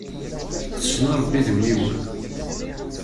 Tessen arebbi d uniwel.